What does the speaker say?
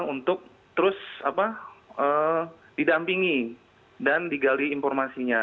untuk terus didampingi dan digali informasinya